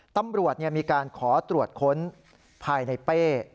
ตำรวจมีการขอตรวจค้นภายในเป้